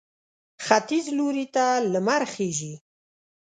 ختیځ لوري ته لمر خېژي.